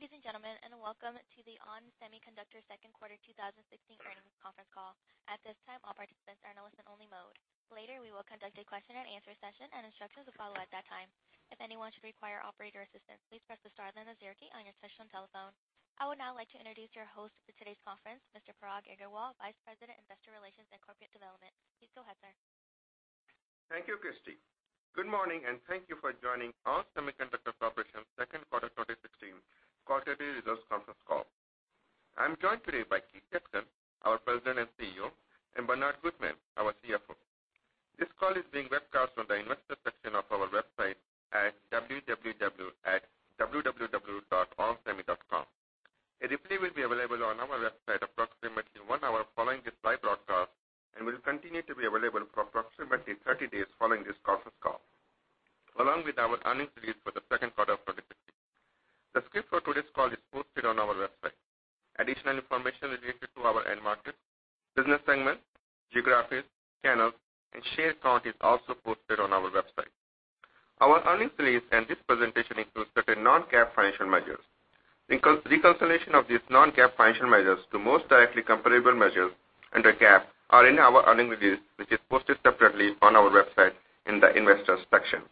Good day, ladies and gentlemen, and welcome to the ON Semiconductor second quarter 2016 earnings conference call. At this time, all participants are in listen only mode. Later, we will conduct a question and answer session, and instructions will follow at that time. If anyone should require operator assistance, please press the star then the zero key on your touch-tone telephone. I would now like to introduce your host for today's conference, Mr. Parag Agarwal, Vice President, Investor Relations and Corporate Development. Please go ahead, sir. Thank you, Christy. Good morning, and thank you for joining ON Semiconductor Corporation second quarter 2016 quarterly results conference call. I'm joined today by Keith Jackson, our President and CEO, and Bernard Gutmann, our CFO. This call is being webcast on the Investor section of our website at www.onsemi.com. A replay will be available on our website approximately one hour following this live broadcast and will continue to be available for approximately 30 days following this conference call, along with our earnings release for the second quarter of 2016. The script for today's call is posted on our website. Additional information related to our end market, business segment, geographies, channels, and share count is also posted on our website. Our earnings release and this presentation includes certain non-GAAP financial measures. The reconciliation of these non-GAAP financial measures to most directly comparable measures under GAAP are in our earnings release, which is posted separately on our website in the Investors section.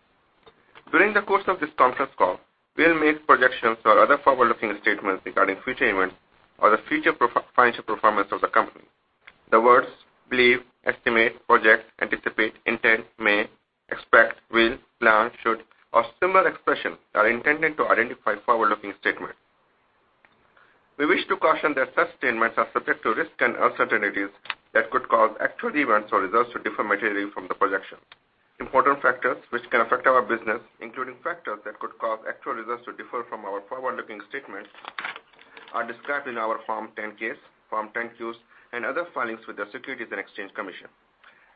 During the course of this conference call, we'll make projections or other forward-looking statements regarding future events or the future financial performance of the company. The words believe, estimate, project, anticipate, intend, may, expect, will, plan, should, or similar expressions are intended to identify forward-looking statements. We wish to caution that such statements are subject to risks and uncertainties that could cause actual events or results to differ materially from the projections. Important factors which can affect our business, including factors that could cause actual results to differ from our forward-looking statements, are described in our Form 10-Ks, Form 10-Qs, and other filings with the Securities and Exchange Commission.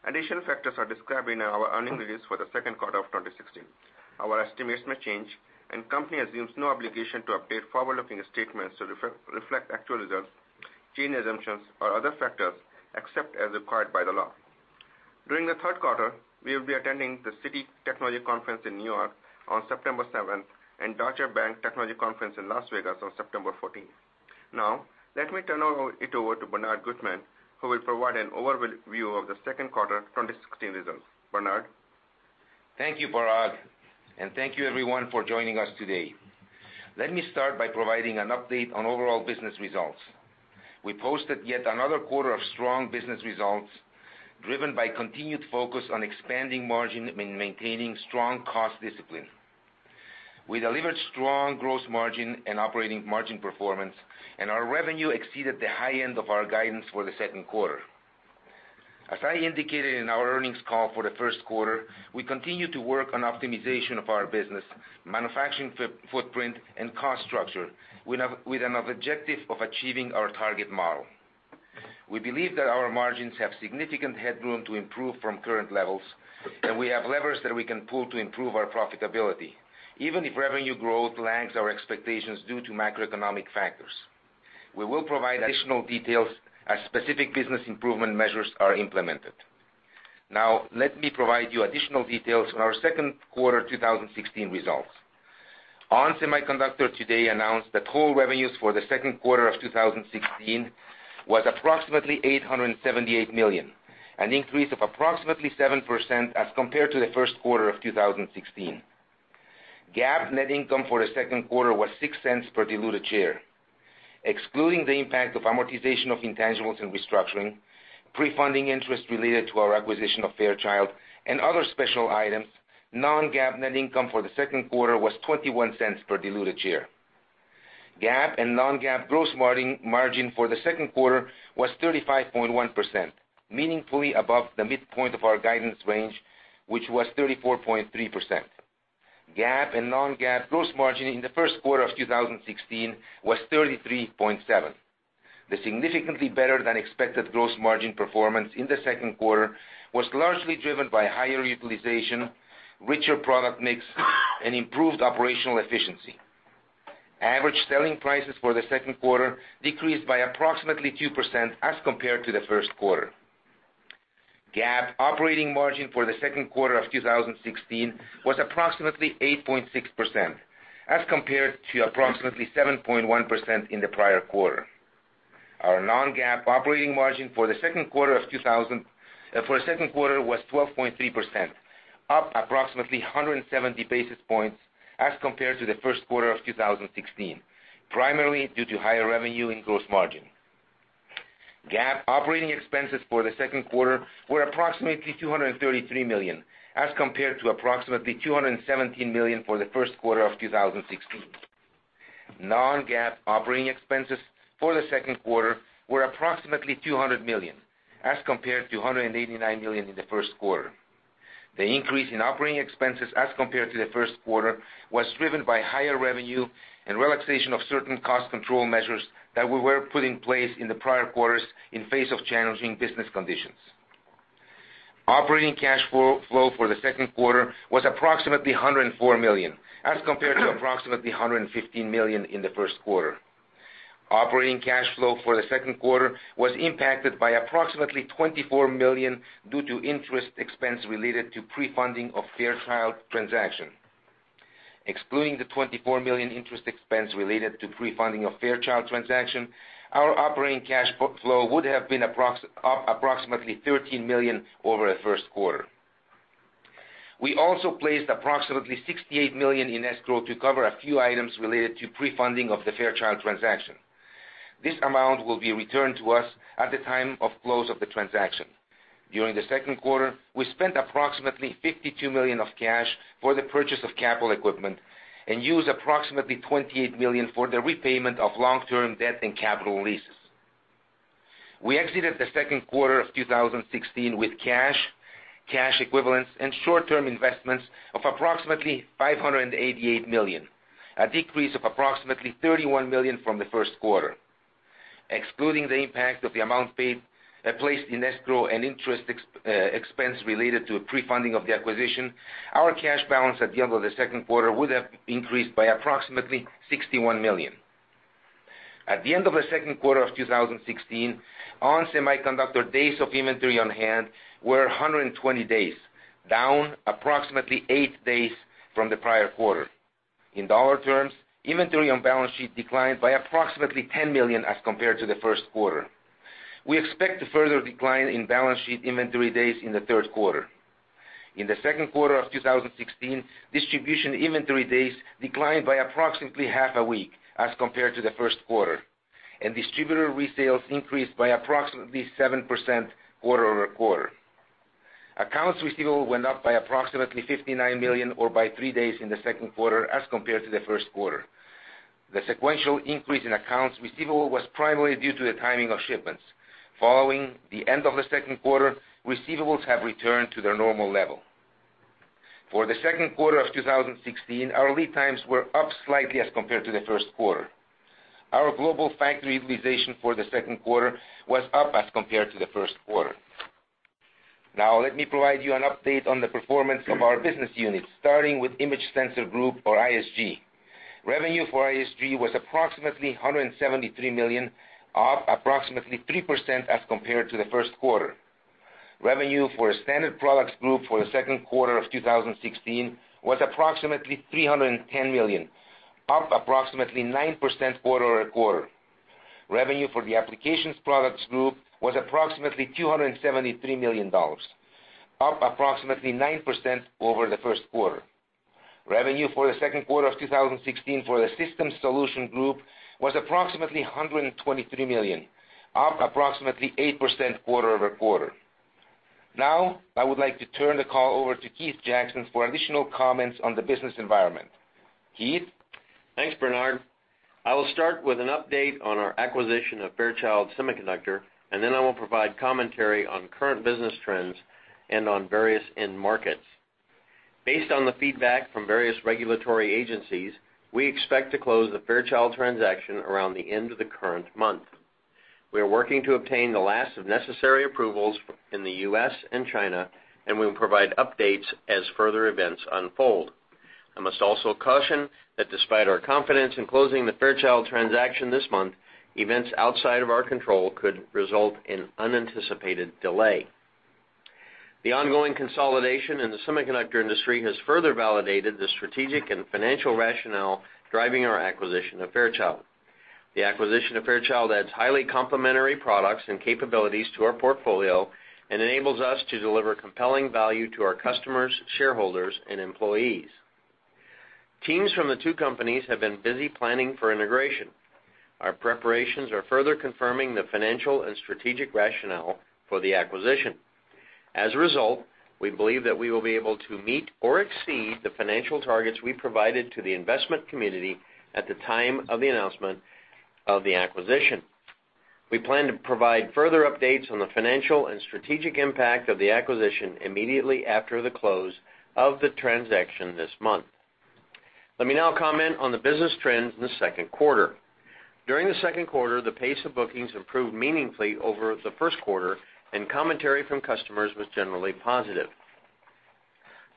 Additional factors are described in our earnings release for the second quarter of 2016. Our estimates may change, and company assumes no obligation to update forward-looking statements to reflect actual results, change assumptions, or other factors, except as required by the law. During the third quarter, we will be attending the Citi Technology Conference in New York on September 7th and Deutsche Bank Technology Conference in Las Vegas on September 14th. Now, let me turn it over to Bernard Gutmann, who will provide an overview of the second quarter 2016 results. Bernard? Thank you, Parag, and thank you everyone for joining us today. Let me start by providing an update on overall business results. We posted yet another quarter of strong business results driven by continued focus on expanding margin and maintaining strong cost discipline. We delivered strong gross margin and operating margin performance, and our revenue exceeded the high end of our guidance for the second quarter. As I indicated in our earnings call for the first quarter, we continue to work on optimization of our business, manufacturing footprint, and cost structure with an objective of achieving our target model. We believe that our margins have significant headroom to improve from current levels, and we have levers that we can pull to improve our profitability even if revenue growth lags our expectations due to macroeconomic factors. We will provide additional details as specific business improvement measures are implemented. Let me provide you additional details on our second quarter 2016 results. ON Semiconductor today announced that total revenues for the second quarter of 2016 was approximately $878 million, an increase of approximately 7% as compared to the first quarter of 2016. GAAP net income for the second quarter was $0.06 per diluted share. Excluding the impact of amortization of intangibles and restructuring, pre-funding interest related to our acquisition of Fairchild and other special items, non-GAAP net income for the second quarter was $0.21 per diluted share. GAAP and non-GAAP gross margin for the second quarter was 35.1%, meaningfully above the midpoint of our guidance range, which was 34.3%. GAAP and non-GAAP gross margin in the first quarter of 2016 was 33.7%. The significantly better than expected gross margin performance in the second quarter was largely driven by higher utilization, richer product mix, and improved operational efficiency. Average selling prices for the second quarter decreased by approximately 2% as compared to the first quarter. GAAP operating margin for the second quarter of 2016 was approximately 8.6%, as compared to approximately 7.1% in the prior quarter. Our non-GAAP operating margin for the second quarter was 12.3%, up approximately 170 basis points as compared to the first quarter of 2016, primarily due to higher revenue and gross margin. GAAP operating expenses for the second quarter were approximately $233 million, as compared to approximately $217 million for the first quarter of 2016. Non-GAAP operating expenses for the second quarter were approximately $200 million, as compared to $189 million in the first quarter. The increase in operating expenses as compared to the first quarter was driven by higher revenue and relaxation of certain cost control measures that we were put in place in the prior quarters in face of challenging business conditions. Operating cash flow for the second quarter was approximately $104 million, as compared to approximately $115 million in the first quarter. Operating cash flow for the second quarter was impacted by approximately $24 million due to interest expense related to pre-funding of Fairchild transaction. Excluding the $24 million interest expense related to pre-funding of Fairchild transaction, our operating cash flow would have been up approximately $13 million over the first quarter. We also placed approximately $68 million in escrow to cover a few items related to pre-funding of the Fairchild transaction. This amount will be returned to us at the time of close of the transaction. During the second quarter, we spent approximately $52 million of cash for the purchase of capital equipment and used approximately $28 million for the repayment of long-term debt and capital leases. We exited the second quarter of 2016 with cash equivalents, and short-term investments of approximately $588 million, a decrease of approximately $31 million from the first quarter. Excluding the impact of the amount paid placed in escrow and interest expense related to pre-funding of the acquisition, our cash balance at the end of the second quarter would have increased by approximately $61 million. At the end of the second quarter of 2016, ON Semiconductor days of inventory on hand were 120 days, down approximately eight days from the prior quarter. In dollar terms, inventory on balance sheet declined by approximately $10 million as compared to the first quarter. We expect a further decline in balance sheet inventory days in the third quarter. In the second quarter of 2016, distribution inventory days declined by approximately half a week as compared to the first quarter, and distributor resales increased by approximately 7% quarter-over-quarter. Accounts receivable went up by approximately $59 million or by three days in the second quarter as compared to the first quarter. The sequential increase in accounts receivable was primarily due to the timing of shipments. Following the end of the second quarter, receivables have returned to their normal level. For the second quarter of 2016, our lead times were up slightly as compared to the first quarter. Our global factory utilization for the second quarter was up as compared to the first quarter. Now let me provide you an update on the performance of our business units, starting with Image Sensor Group, or ISG. Revenue for ISG was approximately $173 million, up approximately 3% as compared to the first quarter. Revenue for the Standard Products Group for the second quarter of 2016 was approximately $310 million, up approximately 9% quarter-over-quarter. Revenue for the Application Products Group was approximately $273 million, up approximately 9% over the first quarter. Revenue for the second quarter of 2016 for the System Solutions Group was approximately $123 million, up approximately 8% quarter-over-quarter. Now, I would like to turn the call over to Keith Jackson for additional comments on the business environment. Keith? Thanks, Bernard. I will start with an update on our acquisition of Fairchild Semiconductor, and then I will provide commentary on current business trends and on various end markets. Based on the feedback from various regulatory agencies, we expect to close the Fairchild transaction around the end of the current month. We are working to obtain the last of necessary approvals in the U.S. and China, and we will provide updates as further events unfold. I must also caution that despite our confidence in closing the Fairchild transaction this month, events outside of our control could result in unanticipated delay. The ongoing consolidation in the semiconductor industry has further validated the strategic and financial rationale driving our acquisition of Fairchild. The acquisition of Fairchild adds highly complementary products and capabilities to our portfolio and enables us to deliver compelling value to our customers, shareholders, and employees. Teams from the two companies have been busy planning for integration. Our preparations are further confirming the financial and strategic rationale for the acquisition. As a result, we believe that we will be able to meet or exceed the financial targets we provided to the investment community at the time of the announcement of the acquisition. We plan to provide further updates on the financial and strategic impact of the acquisition immediately after the close of the transaction this month. Let me now comment on the business trends in the second quarter. During the second quarter, the pace of bookings improved meaningfully over the first quarter, and commentary from customers was generally positive.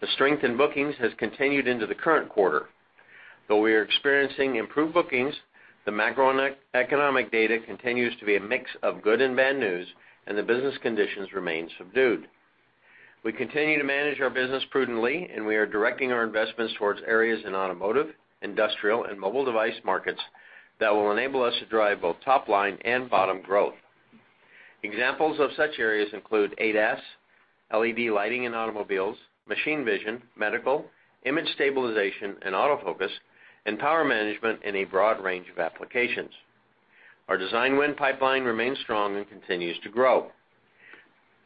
The strength in bookings has continued into the current quarter. Though we are experiencing improved bookings, the macroeconomic data continues to be a mix of good and bad news, and the business conditions remain subdued. We continue to manage our business prudently, and we are directing our investments towards areas in automotive, industrial, and mobile device markets that will enable us to drive both top-line and bottom growth. Examples of such areas include ADAS, LED lighting in automobiles, machine vision, medical, image stabilization and autofocus, and power management in a broad range of applications. Our design win pipeline remains strong and continues to grow.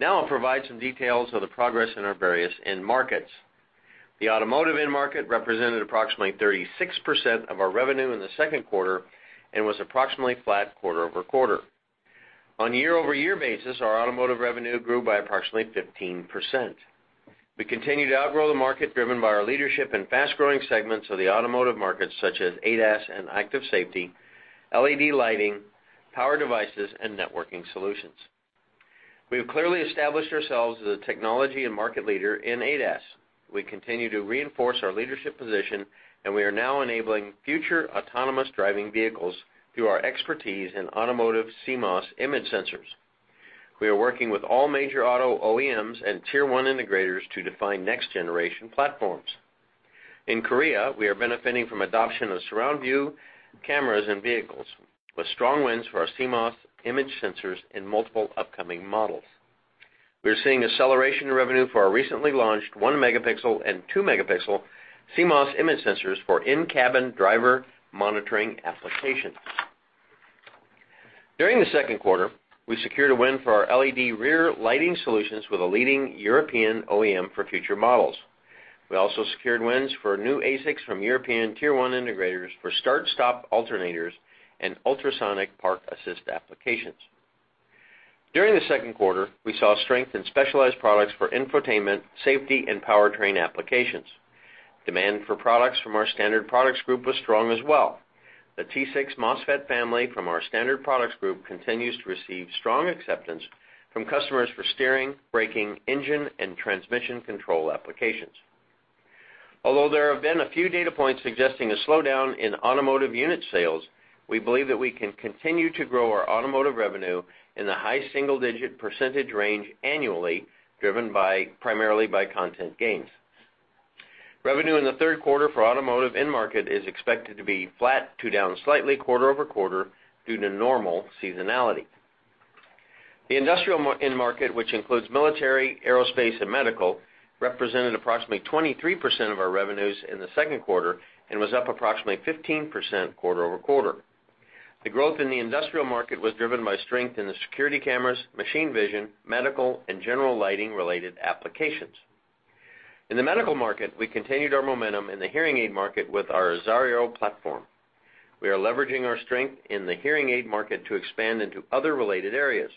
I'll provide some details of the progress in our various end markets. The automotive end market represented approximately 36% of our revenue in the second quarter and was approximately flat quarter-over-quarter. On a year-over-year basis, our automotive revenue grew by approximately 15%. We continue to outgrow the market driven by our leadership in fast-growing segments of the automotive market, such as ADAS and active safety, LED lighting, power devices, and networking solutions. We have clearly established ourselves as a technology and market leader in ADAS. We continue to reinforce our leadership position, and we are now enabling future autonomous driving vehicles through our expertise in automotive CMOS image sensors. We are working with all major auto OEMs and tier 1 integrators to define next generation platforms. In Korea, we are benefiting from adoption of surround view cameras and vehicles, with strong wins for our CMOS image sensors in multiple upcoming models. We are seeing acceleration in revenue for our recently launched 1 megapixel and 2 megapixel CMOS image sensors for in-cabin driver monitoring applications. During the second quarter, we secured a win for our LED rear lighting solutions with a leading European OEM for future models. We also secured wins for new ASICs from European tier 1 integrators for start stop alternators and ultrasonic park assist applications. During the second quarter, we saw strength in specialized products for infotainment, safety and powertrain applications. Demand for products from our Standard Products Group was strong as well. The T6 MOSFET family from our Standard Products Group continues to receive strong acceptance from customers for steering, braking, engine and transmission control applications. Although there have been a few data points suggesting a slowdown in automotive unit sales, we believe that we can continue to grow our automotive revenue in the high single-digit % range annually, driven primarily by content gains. Revenue in the third quarter for automotive end market is expected to be flat to down slightly quarter-over-quarter due to normal seasonality. The industrial end market, which includes military, aerospace, and medical, represented approximately 23% of our revenues in the second quarter and was up approximately 15% quarter-over-quarter. The growth in the industrial market was driven by strength in the security cameras, machine vision, medical and general lighting related applications. In the medical market, we continued our momentum in the hearing aid market with our Ezairo platform. We are leveraging our strength in the hearing aid market to expand into other related areas.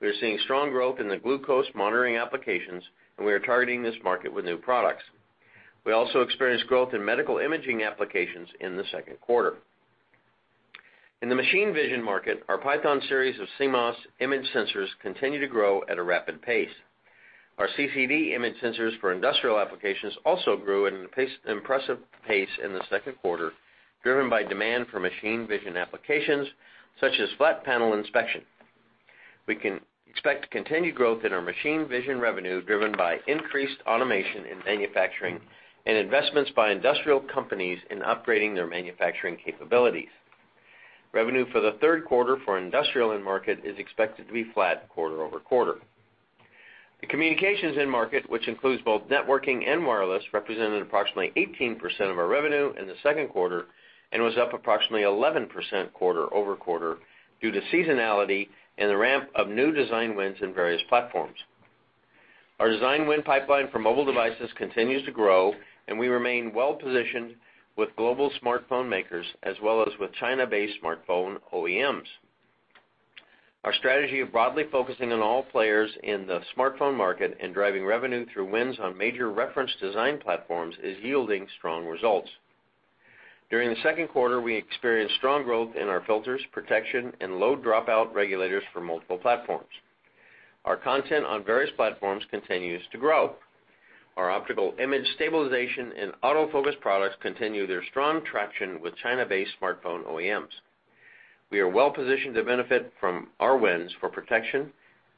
We are seeing strong growth in the glucose monitoring applications, and we are targeting this market with new products. We also experienced growth in medical imaging applications in the second quarter. In the machine vision market, our PYTHON series of CMOS image sensors continue to grow at a rapid pace. Our CCD image sensors for industrial applications also grew at an impressive pace in the second quarter, driven by demand for machine vision applications such as flat panel inspection. We can expect continued growth in our machine vision revenue driven by increased automation in manufacturing and investments by industrial companies in upgrading their manufacturing capabilities. Revenue for the third quarter for industrial end market is expected to be flat quarter-over-quarter. The communications end market, which includes both networking and wireless, represented approximately 18% of our revenue in the second quarter and was up approximately 11% quarter-over-quarter due to seasonality and the ramp of new design wins in various platforms. Our design win pipeline for mobile devices continues to grow, and we remain well positioned with global smartphone makers, as well as with China-based smartphone OEMs. Our strategy of broadly focusing on all players in the smartphone market and driving revenue through wins on major reference design platforms is yielding strong results. During the second quarter, we experienced strong growth in our filters, protection and low dropout regulators for multiple platforms. Our content on various platforms continues to grow. Our optical image stabilization and autofocus products continue their strong traction with China-based smartphone OEMs. We are well positioned to benefit from our wins for protection,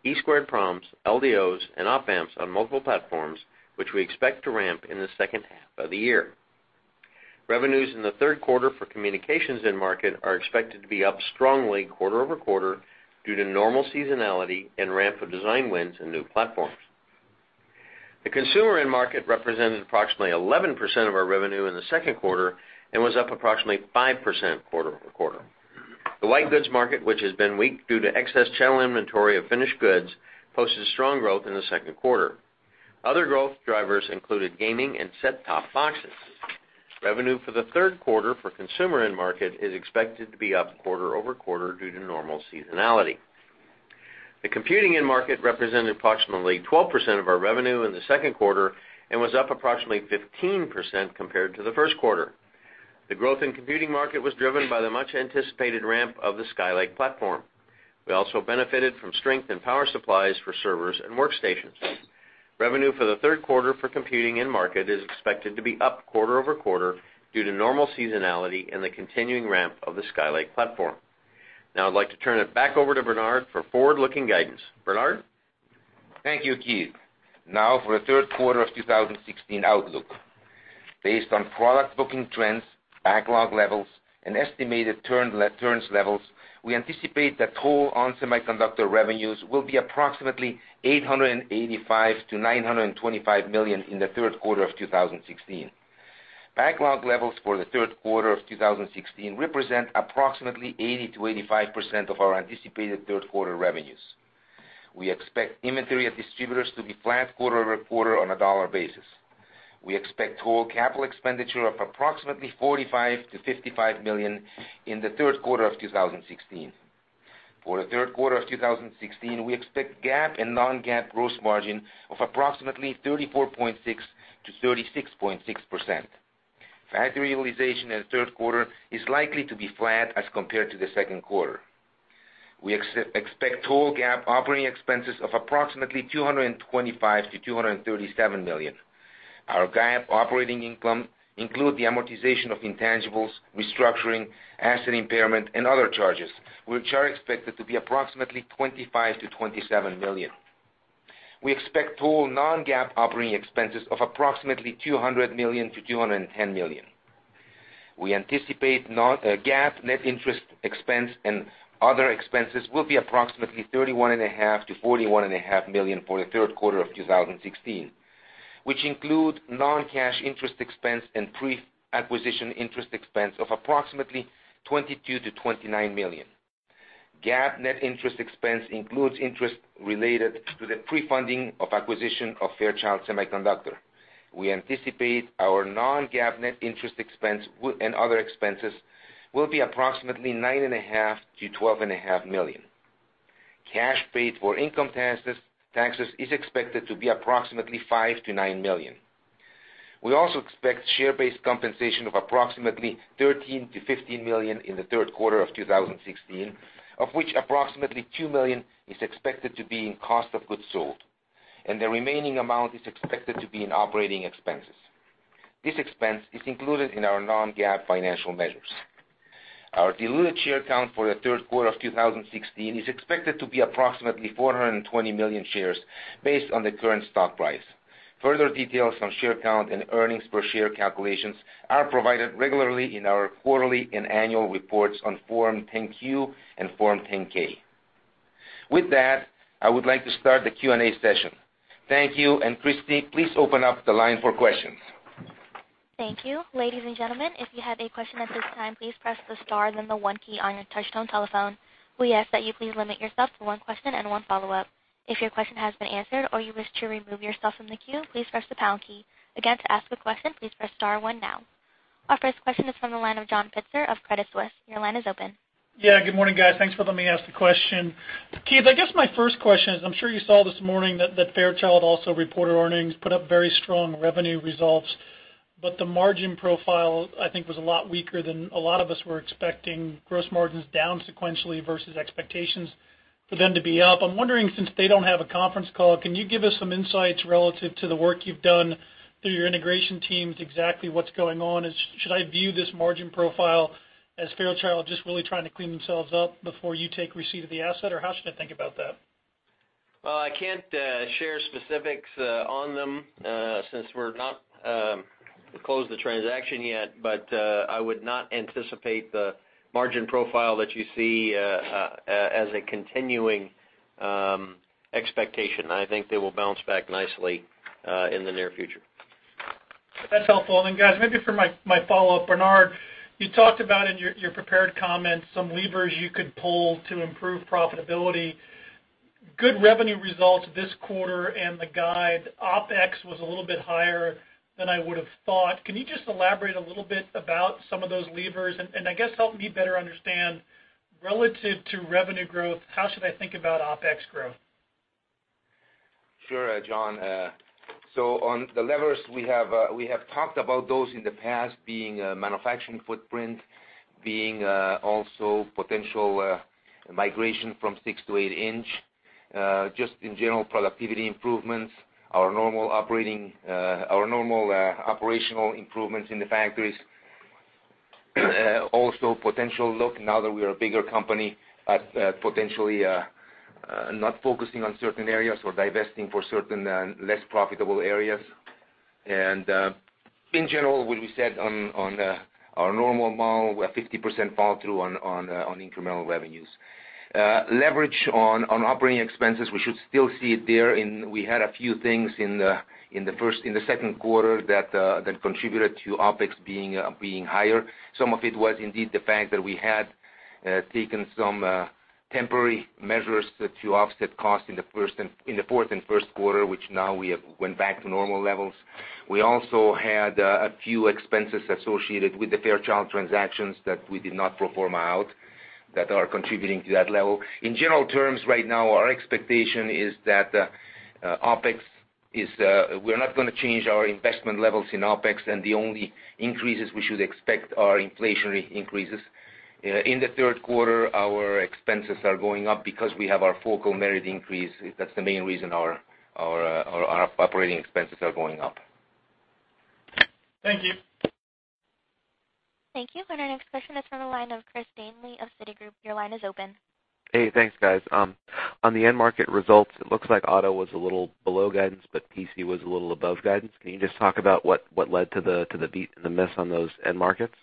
EEPROMs, LDOs and op amps on multiple platforms, which we expect to ramp in the second half of the year. Revenues in the third quarter for communications end market are expected to be up strongly quarter-over-quarter due to normal seasonality and ramp of design wins and new platforms. The consumer end market represented approximately 11% of our revenue in the second quarter and was up approximately 5% quarter-over-quarter. The white goods market, which has been weak due to excess channel inventory of finished goods, posted strong growth in the second quarter. Other growth drivers included gaming and set top boxes. Revenue for the third quarter for consumer end market is expected to be up quarter-over-quarter due to normal seasonality. The computing end market represented approximately 12% of our revenue in the second quarter and was up approximately 15% compared to the first quarter. The growth in computing market was driven by the much anticipated ramp of the Skylake platform. We also benefited from strength in power supplies for servers and workstations. Revenue for the third quarter for computing end market is expected to be up quarter-over-quarter due to normal seasonality and the continuing ramp of the Skylake platform. Now I'd like to turn it back over to Bernard for forward looking guidance. Bernard? Thank you, Keith. Now for the third quarter of 2016 outlook. Based on product booking trends, backlog levels and estimated turns levels, we anticipate that total ON Semiconductor revenues will be approximately $885 million-$925 million in the third quarter of 2016. Backlog levels for the third quarter of 2016 represent approximately 80%-85% of our anticipated third quarter revenues. We expect inventory of distributors to be flat quarter-over-quarter on a dollar basis. We expect total capital expenditure of approximately $45 million-$55 million in the third quarter of 2016. For the third quarter of 2016, we expect GAAP and non-GAAP gross margin of approximately 34.6%-36.6%. Factory utilization in the third quarter is likely to be flat as compared to the second quarter. We expect total GAAP operating expenses of approximately $225 million-$237 million. Our GAAP operating income include the amortization of intangibles, restructuring, asset impairment, and other charges, which are expected to be approximately $25 million-$27 million. We expect total non-GAAP operating expenses of approximately $200 million-$210 million. We anticipate GAAP net interest expense and other expenses will be approximately $31.5 million-$41.5 million for the third quarter of 2016, which include non-cash interest expense and pre-acquisition interest expense of approximately $22 million-$29 million. GAAP net interest expense includes interest related to the pre-funding of acquisition of Fairchild Semiconductor. We anticipate our non-GAAP net interest expense and other expenses will be approximately $9.5 million-$12.5 million. Cash paid for income taxes is expected to be approximately $5 million-$9 million. We also expect share-based compensation of approximately $13 million-$15 million in the third quarter of 2016, of which approximately $2 million is expected to be in cost of goods sold, and the remaining amount is expected to be in operating expenses. This expense is included in our non-GAAP financial measures. Our diluted share count for the third quarter of 2016 is expected to be approximately 420 million shares based on the current stock price. Further details on share count and earnings per share calculations are provided regularly in our quarterly and annual reports on Form 10-Q and Form 10-K. With that, I would like to start the Q&A session. Thank you. Christy, please open up the line for questions. Thank you. Ladies and gentlemen, if you have a question at this time, please press the star then the one key on your touchtone telephone. We ask that you please limit yourself to one question and one follow-up. If your question has been answered or you wish to remove yourself from the queue, please press the pound key. Again, to ask a question, please press star one now. Our first question is from the line of John Pitzer of Credit Suisse. Your line is open. Yeah. Good morning, guys. Thanks for letting me ask the question. Keith, I guess my first question is, I'm sure you saw this morning that Fairchild also reported earnings, put up very strong revenue results, but the margin profile, I think, was a lot weaker than a lot of us were expecting. Gross margins down sequentially versus expectations for them to be up. I'm wondering, since they don't have a conference call, can you give us some insights relative to the work you've done through your integration teams, exactly what's going on? Should I view this margin profile as Fairchild just really trying to clean themselves up before you take receipt of the asset, or how should I think about that? Well, I can't share specifics on them, since we've not closed the transaction yet, but I would not anticipate the margin profile that you see as a continuing expectation. I think they will bounce back nicely in the near future. That's helpful. Guys, maybe for my follow-up, Bernard, you talked about in your prepared comments some levers you could pull to improve profitability. Good revenue results this quarter and the guide. OpEx was a little bit higher than I would've thought. Can you just elaborate a little bit about some of those levers and, I guess, help me better understand, relative to revenue growth, how should I think about OpEx growth? Sure, John. On the levers, we have talked about those in the past being a manufacturing footprint, being also potential migration from six to eight inch. Just in general productivity improvements, our normal operational improvements in the factories. Also potential look now that we're a bigger company at potentially not focusing on certain areas or divesting for certain less profitable areas. In general, what we said on our normal model, we have 50% fall through on incremental revenues. Leverage on operating expenses, we should still see it there. We had a few things in the second quarter that contributed to OpEx being higher. Some of it was indeed the fact that we had taken some temporary measures to offset costs in the fourth and first quarter, which now we have went back to normal levels. We also had a few expenses associated with the Fairchild transactions that we did not pro forma out, that are contributing to that level. In general terms right now, our expectation is that OpEx. We're not going to change our investment levels in OpEx, and the only increases we should expect are inflationary increases. In the third quarter, our expenses are going up because we have our full co-merit increase. That's the main reason our operating expenses are going up. Thank you. Thank you. Our next question is from the line of Chris Danely of Citigroup. Your line is open. Hey, thanks, guys. On the end market results, it looks like auto was a little below guidance, but PC was a little above guidance. Can you just talk about what led to the beat and the miss on those end markets?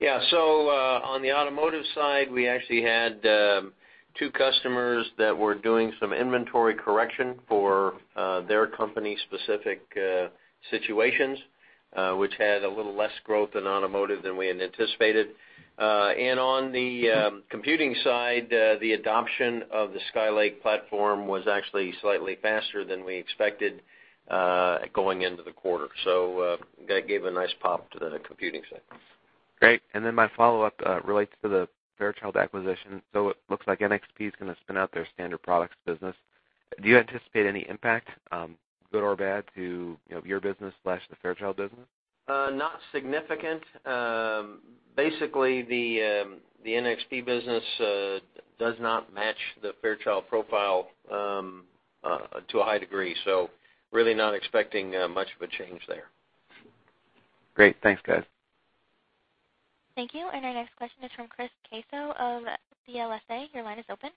Yeah. On the automotive side, we actually had two customers that were doing some inventory correction for their company-specific situations, which had a little less growth in automotive than we had anticipated. On the computing side, the adoption of the Skylake platform was actually slightly faster than we expected going into the quarter. That gave a nice pop to the computing segment. Great. Then my follow-up relates to the Fairchild acquisition. It looks like NXP is going to spin out their standard products business. Do you anticipate any impact, good or bad, to your business/the Fairchild business? Not significant. Basically, the NXP business does not match the Fairchild profile to a high degree, really not expecting much of a change there. Great. Thanks, guys. Thank you. Our next question is from Chris Caso of CLSA. Your line is open.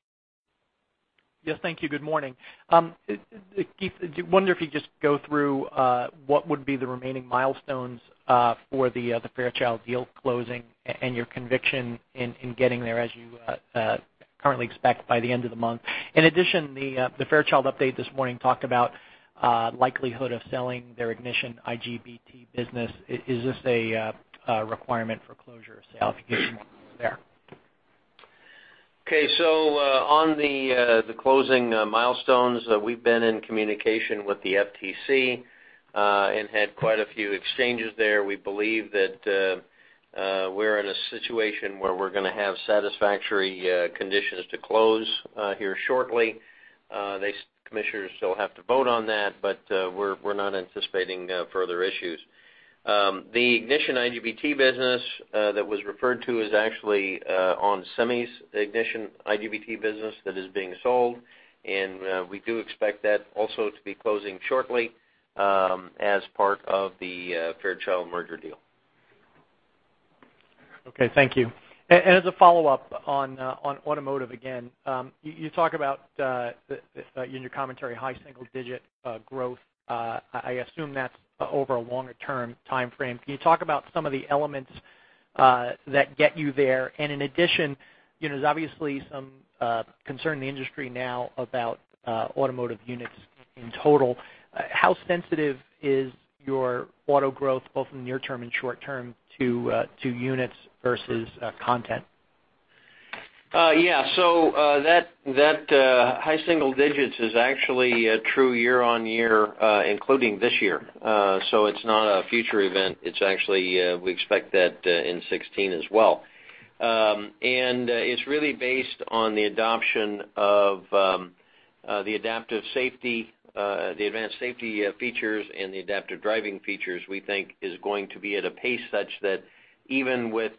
Yes, thank you. Good morning. Keith, I wonder if you just go through what would be the remaining milestones for the Fairchild deal closing and your conviction in getting there as you currently expect by the end of the month. In addition, the Fairchild update this morning talked about likelihood of selling their Ignition IGBT business. Is this a requirement for closure of sale? If you could share more there. Okay. On the closing milestones, we've been in communication with the FTC, and had quite a few exchanges there. We believe that we're in a situation where we're going to have satisfactory conditions to close here shortly. Commissioners still have to vote on that, but we're not anticipating further issues. The Ignition IGBT business that was referred to is actually ON Semi's Ignition IGBT business that is being sold, and we do expect that also to be closing shortly, as part of the Fairchild merger deal. Okay, thank you. As a follow-up on automotive, again, you talk about, in your commentary, high single-digit growth. I assume that's over a longer-term timeframe. Can you talk about some of the elements that get you there? In addition, there's obviously some concern in the industry now about automotive units in total. How sensitive is your auto growth, both in near term and short term, to units versus content? Yeah. That high single digits is actually true year-on-year, including this year. It's not a future event. It's actually, we expect that in 2016 as well. It's really based on the adoption of the adaptive safety, the advanced safety features, and the adaptive driving features, we think is going to be at a pace such that even with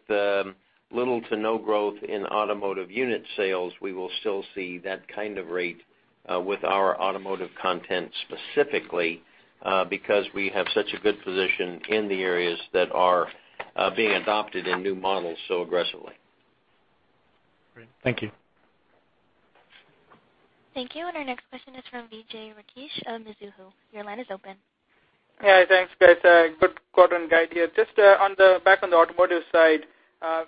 little to no growth in automotive unit sales, we will still see that kind of rate with our automotive content specifically, because we have such a good position in the areas that are being adopted in new models so aggressively. Great. Thank you. Thank you. Our next question is from Vijay Rakesh of Mizuho. Your line is open. Yeah, thanks, guys. Good quarter and guide here. Just back on the automotive side,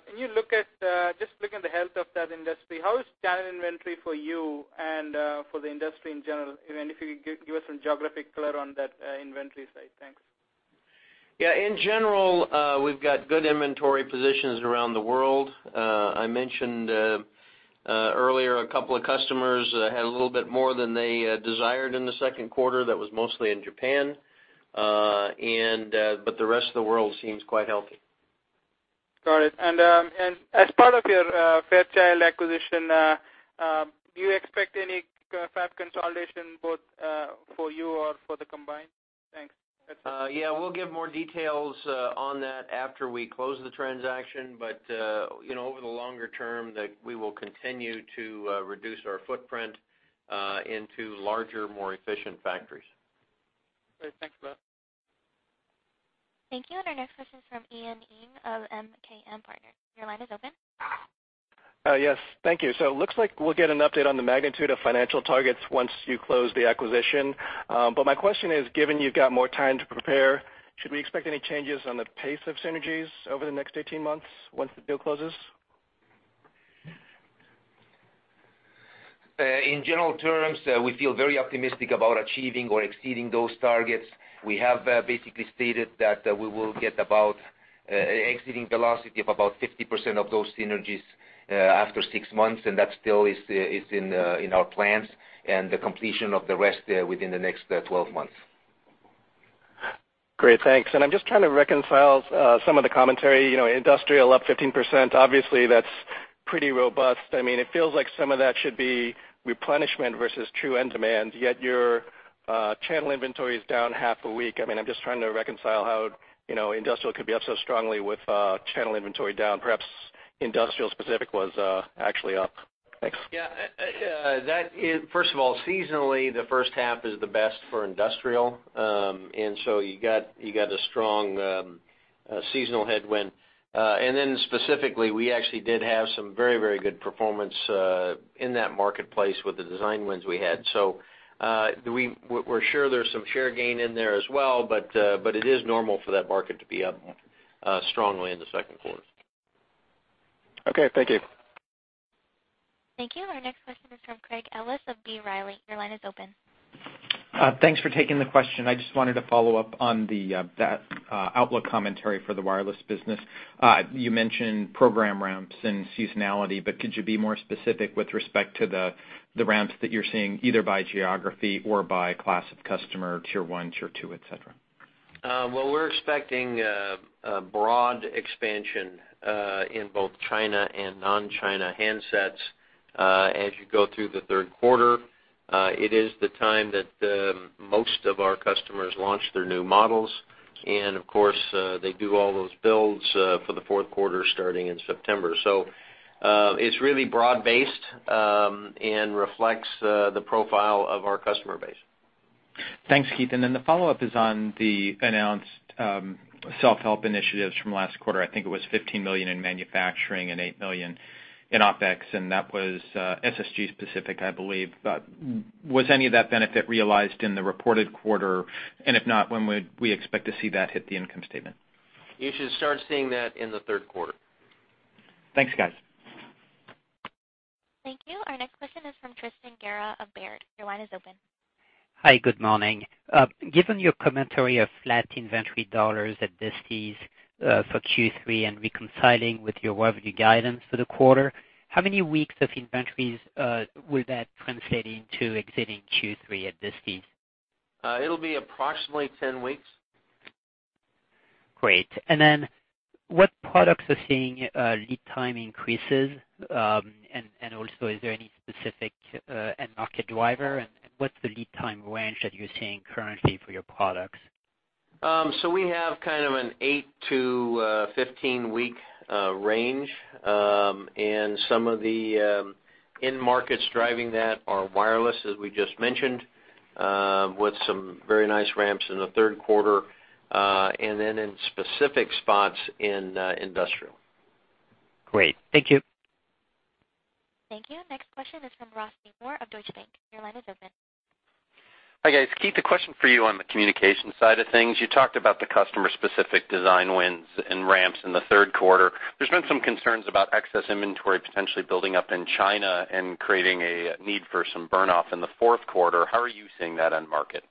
can you look at just looking at the health of that industry, how is channel inventory for you and for the industry in general? If you could give us some geographic color on that inventory side. Thanks. Yeah. In general, we've got good inventory positions around the world. I mentioned earlier a couple of customers had a little bit more than they desired in the second quarter that was mostly in Japan. The rest of the world seems quite healthy. Got it. As part of your Fairchild acquisition, do you expect any fab consolidation both for you or for the combined? Thanks. That's it. Yeah, we'll give more details on that after we close the transaction. Over the longer term, we will continue to reduce our footprint into larger, more efficient factories. Great. Thanks a lot. Thank you. Our next question from Ian Ing of MKM Partners. Your line is open. Yes. Thank you. It looks like we'll get an update on the magnitude of financial targets once you close the acquisition. My question is, given you've got more time to prepare, should we expect any changes on the pace of synergies over the next 18 months once the deal closes? In general terms, we feel very optimistic about achieving or exceeding those targets. We have basically stated that we will get about exiting velocity of about 50% of those synergies after six months, and that still is in our plans and the completion of the rest within the next 12 months. Great. Thanks. I'm just trying to reconcile some of the commentary. Industrial up 15%, obviously that's pretty robust. It feels like some of that should be replenishment versus true end demand, yet your channel inventory is down half a week. I'm just trying to reconcile how industrial could be up so strongly with channel inventory down. Perhaps industrial specific was actually up. Thanks. Yeah. First of all, seasonally, the first half is the best for industrial. You got a strong seasonal headwind. Specifically, we actually did have some very good performance in that marketplace with the design wins we had. We're sure there's some share gain in there as well, but it is normal for that market to be up strongly in the second quarter. Okay. Thank you. Thank you. Our next question is from Craig Ellis of B. Riley. Your line is open. Thanks for taking the question. I just wanted to follow up on that outlook commentary for the wireless business. You mentioned program ramps and seasonality, could you be more specific with respect to the ramps that you're seeing either by geography or by class of customer, tier 1, tier 2, et cetera? Well, we're expecting a broad expansion in both China and non-China handsets as you go through the third quarter. It is the time that most of our customers launch their new models, and of course, they do all those builds for the fourth quarter starting in September. It's really broad-based and reflects the profile of our customer base. Thanks, Keith. The follow-up is on the announced self-help initiatives from last quarter. I think it was $15 million in manufacturing and $8 million in OpEx, that was SSG specific, I believe. Was any of that benefit realized in the reported quarter? If not, when would we expect to see that hit the income statement? You should start seeing that in the third quarter. Thanks, guys. Thank you. Our next question is from Tristan Gerra of Baird. Your line is open. Hi, good morning. Given your commentary of flat inventory dollars at distis for Q3 and reconciling with your revenue guidance for the quarter, how many weeks of inventories will that translate into exiting Q3 at distis? It'll be approximately 10 weeks. Great. What products are seeing lead time increases? Is there any specific end market driver, and what's the lead time range that you're seeing currently for your products? We have kind of an 8 to a 15-week range. Some of the end markets driving that are wireless, as we just mentioned, with some very nice ramps in the third quarter, in specific spots in industrial. Great. Thank you. Thank you. Next question is from Ross Seymore of Deutsche Bank. Your line is open. Hi, guys. Keith, a question for you on the communication side of things. You talked about the customer-specific design wins and ramps in the third quarter. There's been some concerns about excess inventory potentially building up in China and creating a need for some burn-off in the fourth quarter. How are you seeing that end market?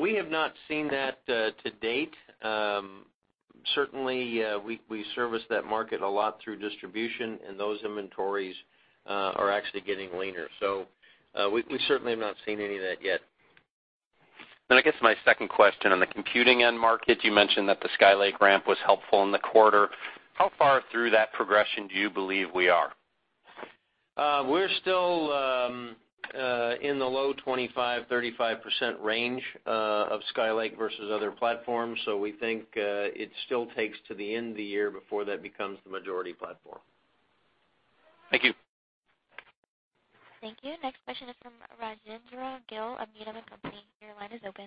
We have not seen that to date. Certainly, we service that market a lot through distribution, and those inventories are actually getting leaner. We certainly have not seen any of that yet. I guess my second question on the computing end market, you mentioned that the Skylake ramp was helpful in the quarter. How far through that progression do you believe we are? We're still in the low 25%, 35% range of Skylake versus other platforms. We think it still takes to the end of the year before that becomes the majority platform. Thank you. Thank you. Next question is from Rajendra Gill of BMO. Your line is open.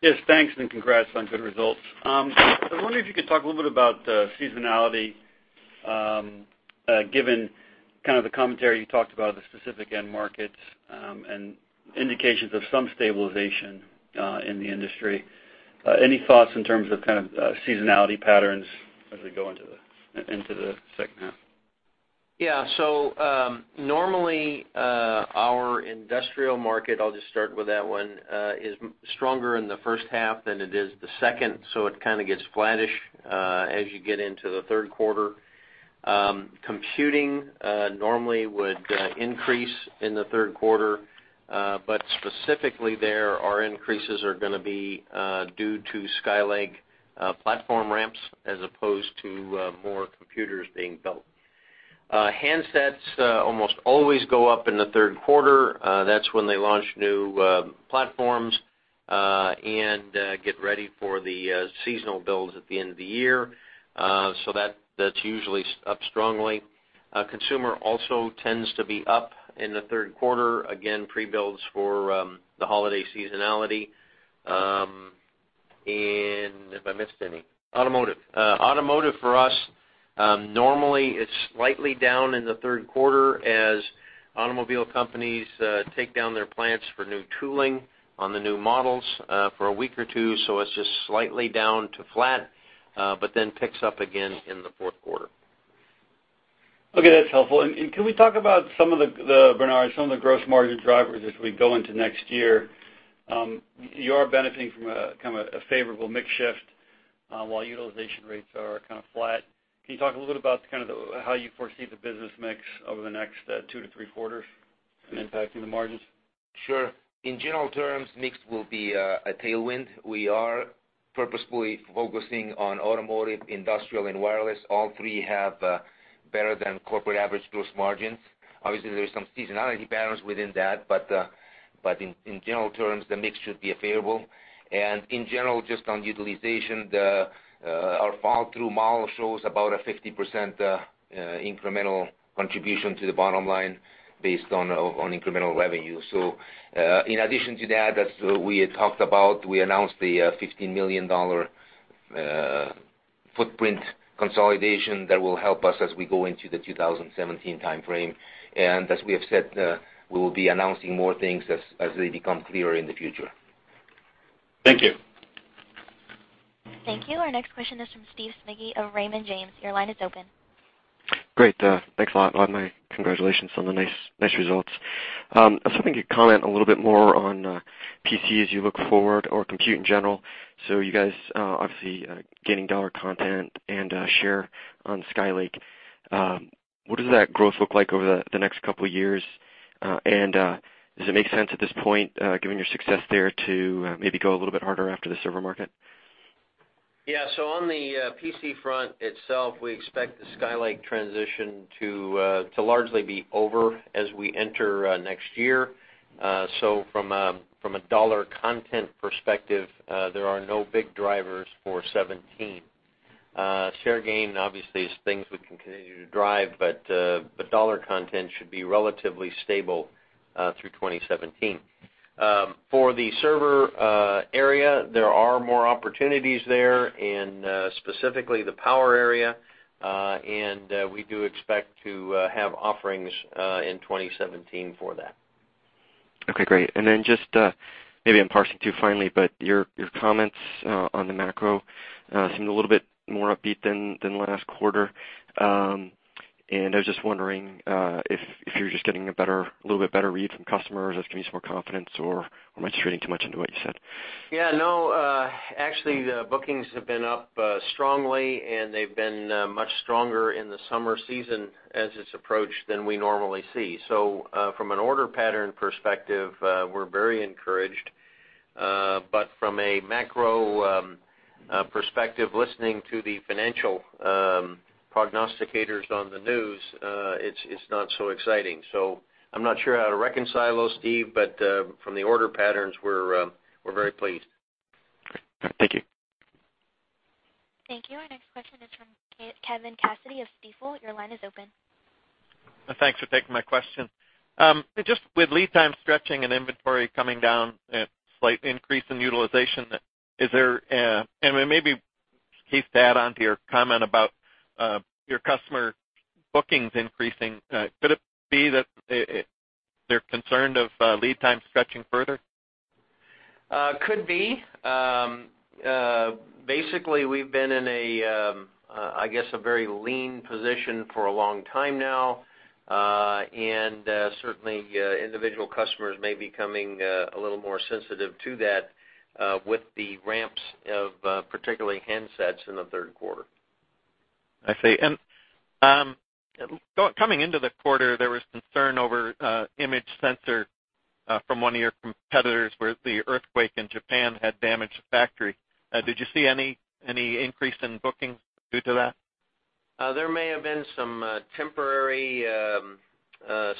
Yes, thanks and congrats on good results. I was wondering if you could talk a little bit about seasonality, given kind of the commentary you talked about the specific end markets, and indications of some stabilization in the industry. Any thoughts in terms of kind of seasonality patterns as we go into the second half? Normally, our industrial market, I'll just start with that one, is stronger in the first half than it is the second, so it kind of gets flatish as you get into the third quarter. Computing normally would increase in the third quarter, but specifically there, our increases are going to be due to Skylake platform ramps as opposed to more computers being built. Handsets almost always go up in the third quarter. That's when they launch new platforms, and get ready for the seasonal builds at the end of the year. That's usually up strongly. Consumer also tends to be up in the third quarter, again, pre-builds for the holiday seasonality. If I missed any. Automotive. Automotive for us, normally it's slightly down in the third quarter as automobile companies take down their plants for new tooling on the new models for a week or two, it's just slightly down to flat, then picks up again in the fourth quarter. Okay, that's helpful. Can we talk about some of the, Bernard, some of the gross margin drivers as we go into next year? You are benefiting from a kind of a favorable mix shift, while utilization rates are kind of flat. Can you talk a little bit about kind of how you foresee the business mix over the next two to three quarters impacting the margins? Sure. In general terms, mix will be a tailwind. We are purposefully focusing on automotive, industrial, and wireless. All three have better than corporate average gross margins. Obviously, there is some seasonality patterns within that, in general terms, the mix should be favorable. In general, just on utilization, our fall-through model shows about a 50% incremental contribution to the bottom line based on incremental revenue. In addition to that, as we had talked about, we announced the $15 million footprint consolidation that will help us as we go into the 2017 timeframe. As we have said, we will be announcing more things as they become clearer in the future. Thank you. Thank you. Our next question is from Steve Smigie of Raymond James. Your line is open. Great. Thanks a lot. My congratulations on the nice results. I was hoping you could comment a little bit more on PC as you look forward, or compute in general. You guys obviously gaining dollar content and share on Skylake. What does that growth look like over the next couple of years? Does it make sense at this point, given your success there, to maybe go a little bit harder after the server market? Yeah. On the PC front itself, we expect the Skylake transition to largely be over as we enter next year. From a dollar content perspective, there are no big drivers for 2017. Share gain, obviously, is things we can continue to drive, but dollar content should be relatively stable through 2017. For the server area, there are more opportunities there, in specifically the power area, and we do expect to have offerings in 2017 for that. Okay, great. Just, maybe I'm parsing too finely, your comments on the macro seemed a little bit more upbeat than last quarter. I was just wondering if you're just getting a little bit better read from customers that's giving you some more confidence, or am I just reading too much into what you said? Yeah, no. Actually, the bookings have been up strongly, they've been much stronger in the summer season as it's approached than we normally see. From an order pattern perspective, we're very encouraged. From a macro perspective, listening to the financial prognosticators on the news, it's not so exciting. I'm not sure how to reconcile those, Steve, from the order patterns, we're very pleased. Great. All right. Thank you. Thank you. Our next question is from Kevin Cassidy of Stifel. Your line is open. Thanks for taking my question. Just with lead time stretching and inventory coming down at slight increase in utilization, maybe Keith to add onto your comment about your customer bookings increasing, could it be that they're concerned of lead time stretching further? Could be. Basically, we've been in a very lean position for a long time now. Certainly, individual customers may be coming a little more sensitive to that with the ramps of particularly handsets in the third quarter. I see. Coming into the quarter, there was concern over image sensor from one of your competitors where the earthquake in Japan had damaged the factory. Did you see any increase in bookings due to that? There may have been some temporary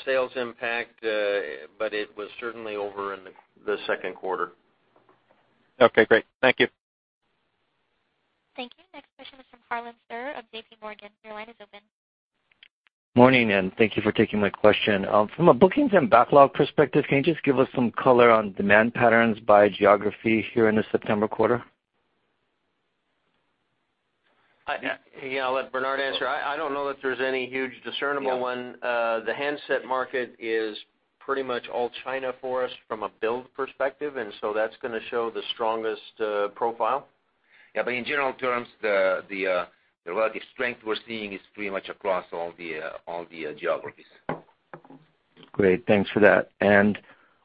sales impact, but it was certainly over in the second quarter. Okay, great. Thank you. Thank you. Next question is from Harlan Sur of J.P. Morgan. Your line is open. Morning, thank you for taking my question. From a bookings and backlog perspective, can you just give us some color on demand patterns by geography here in the September quarter? Yeah, I'll let Bernard answer. I don't know if there's any huge discernible one. The handset market is pretty much all China for us from a build perspective, that's going to show the strongest profile. Yeah, in general terms, the relative strength we're seeing is pretty much across all the geographies. Great, thanks for that.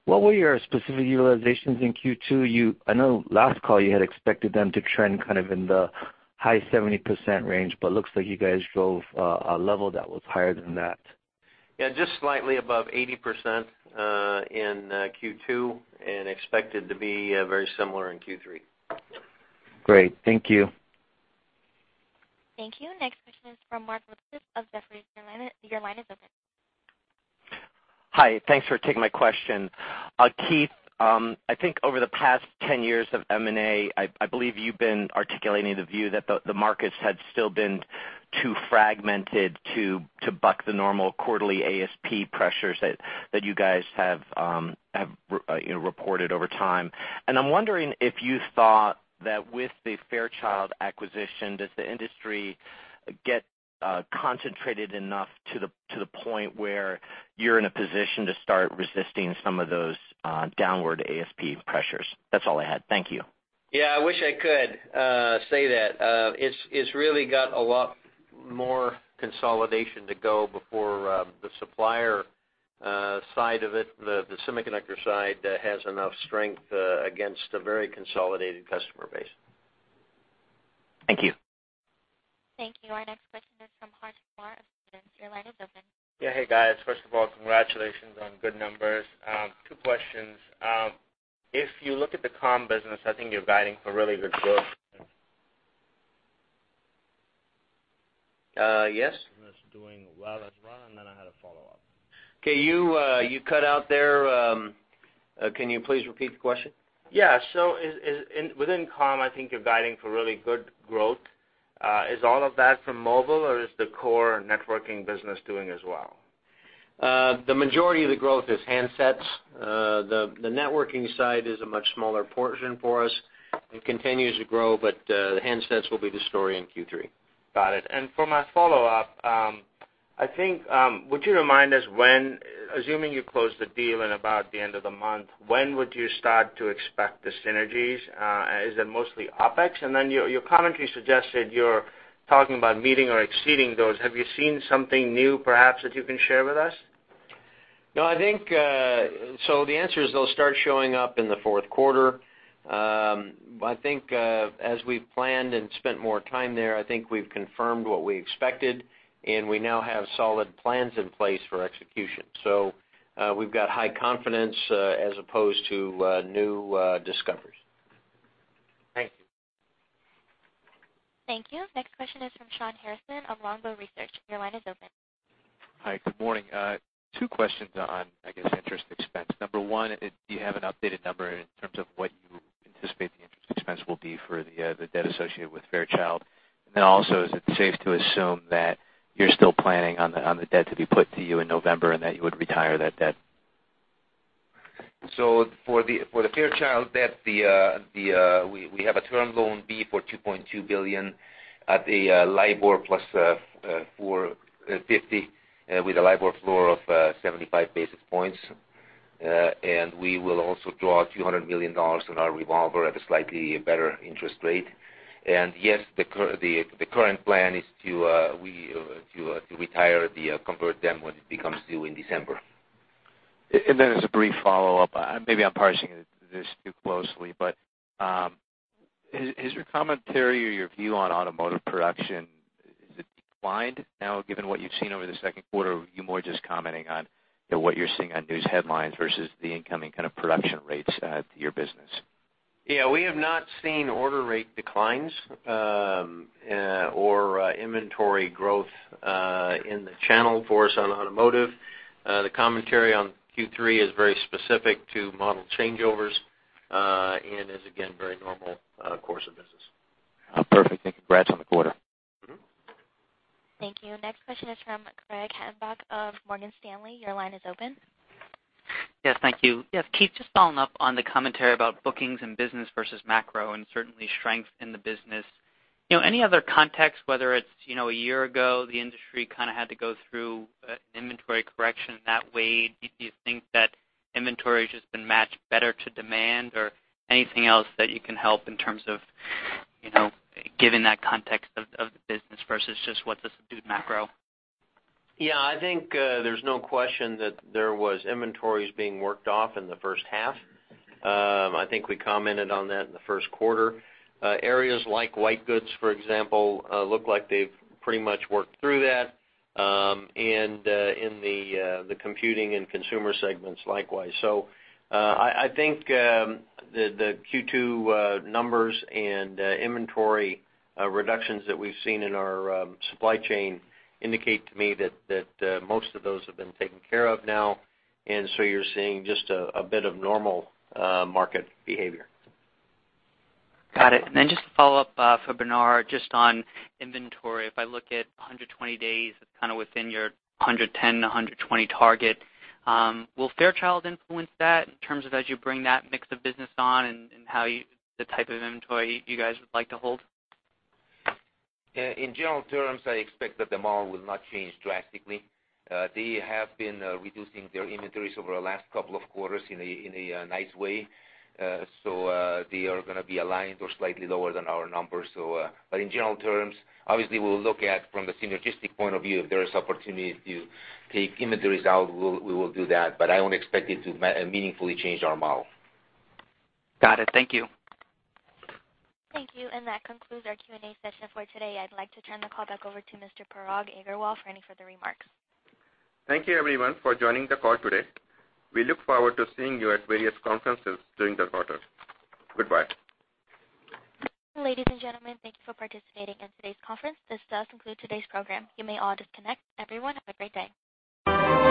What were your specific utilizations in Q2? I know last call you had expected them to trend kind of in the high 70% range, looks like you guys drove a level that was higher than that. Yeah, just slightly above 80% in Q2, expected to be very similar in Q3. Great. Thank you. Thank you. Next question is from Mark Lipacis of Jefferies. Your line is open. Hi. Thanks for taking my question. Keith, I think over the past 10 years of M&A, I believe you've been articulating the view that the markets had still been too fragmented to buck the normal quarterly ASP pressures that you guys have reported over time. I'm wondering if you thought that with the Fairchild acquisition, does the industry get concentrated enough to the point where you're in a position to start resisting some of those downward ASP pressures? That's all I had. Thank you. Yeah, I wish I could say that. It's really got a lot more consolidation to go before the supplier side of it, the semiconductor side, has enough strength against a very consolidated customer base. Thank you. Thank you. Our next question is from Harsh Kumar of Susquehanna. Your line is open. Yeah. Hey, guys. First of all, congratulations on good numbers. Two questions. If you look at the comm business, I think you're guiding for really good growth. Yes. It's doing well as well. I had a follow-up. Okay. You cut out there. Can you please repeat the question? Yeah. Within comm, I think you're guiding for really good growth. Is all of that from mobile, or is the core networking business doing as well? The majority of the growth is handsets. The networking side is a much smaller portion for us. It continues to grow, but the handsets will be the story in Q3. Got it. For my follow-up, would you remind us when, assuming you close the deal in about the end of the month, when would you start to expect the synergies? Is it mostly OpEx? Your commentary suggested you're talking about meeting or exceeding those. Have you seen something new perhaps that you can share with us? No, the answer is they'll start showing up in the fourth quarter. As we've planned and spent more time there, I think we've confirmed what we expected, and we now have solid plans in place for execution. We've got high confidence as opposed to new discoveries. Thank you. Thank you. Next question is from Shawn Harrison of Longbow Research. Your line is open. Hi, good morning. Two questions on, I guess, interest expense. Number 1, do you have an updated number in terms of what you anticipate the interest expense will be for the debt associated with Fairchild? Also, is it safe to assume that you're still planning on the debt to be put to you in November and that you would retire that debt? For the Fairchild debt, we have a Term Loan B for $2.2 billion at the LIBOR plus 450, with a LIBOR floor of 75 basis points. We will also draw $200 million in our revolver at a slightly better interest rate. Yes, the current plan is to retire the convert debt when it becomes due in December. As a brief follow-up, maybe I'm parsing this too closely, has your commentary or your view on automotive production, has it declined now given what you've seen over the second quarter? Or are you more just commenting on what you're seeing on news headlines versus the incoming kind of production rates to your business? We have not seen order rate declines or inventory growth in the channel for us on automotive. The commentary on Q3 is very specific to model changeovers, is again, very normal course of business. Perfect. Thank you. Congrats on the quarter. Thank you. Next question is from Craig Hettenbach of Morgan Stanley. Your line is open. Yes, thank you. Yes, Keith, just following up on the commentary about bookings and business versus macro and certainly strength in the business. Any other context, whether it's a year ago, the industry kind of had to go through an inventory correction that way. Do you think that inventory has just been matched better to demand or anything else that you can help in terms of giving that context of the business versus just what the subdued macro? Yeah, I think there's no question that there was inventories being worked off in the first half. I think we commented on that in the first quarter. Areas like white goods, for example, look like they've pretty much worked through that, and in the computing and consumer segments likewise. I think the Q2 numbers and inventory reductions that we've seen in our supply chain indicate to me that most of those have been taken care of now, you're seeing just a bit of normal market behavior. Got it. Just to follow up for Bernard, just on inventory. If I look at 120 days, it's kind of within your 110 to 120 target. Will Fairchild influence that in terms of as you bring that mix of business on and the type of inventory you guys would like to hold? In general terms, I expect that the model will not change drastically. They have been reducing their inventories over the last couple of quarters in a nice way. They are going to be aligned or slightly lower than our numbers. In general terms, obviously we'll look at, from the synergistic point of view, if there is opportunity to take inventories out, we will do that. I don't expect it to meaningfully change our model. Got it. Thank you. Thank you. That concludes our Q&A session for today. I'd like to turn the call back over to Mr. Parag Agarwal for any further remarks. Thank you everyone for joining the call today. We look forward to seeing you at various conferences during the quarter. Goodbye. Ladies and gentlemen, thank you for participating in today's conference. This does conclude today's program. You may all disconnect. Everyone, have a great day.